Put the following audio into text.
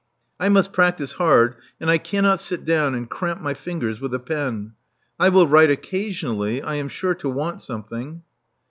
I must practise hard; and I cannot sit down and cramp my fingers with a pen. I will write occasionally — I am sure to want something.